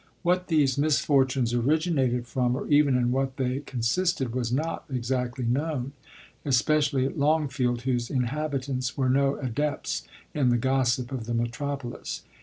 What these misfortunes originated from, or even in what they consisted, was not exactly known ; especially at Longfield, whose inhabitants were no adepts in the gossip of the metropolis.